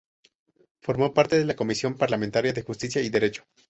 Formó parte de la Comisión parlamentaria de Justicia y derecho.